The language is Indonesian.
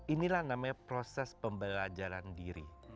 inilah namanya proses pembelajaran diri